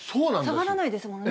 下がらないですもんね。